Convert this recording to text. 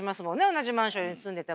同じマンションに住んでても。